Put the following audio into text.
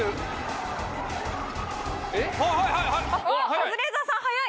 カズレーザーさん早い！